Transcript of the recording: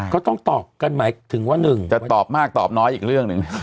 ก็ต้องตอบกันหมายถึงว่าหนึ่งจะตอบมากตอบน้อยอีกเรื่องหนึ่ง